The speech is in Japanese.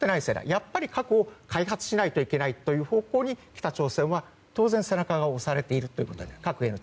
やっぱり核を開発しないといけないという方向に北朝鮮は当然、背中が押されているということで。